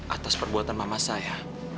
atas perbuatan mama saya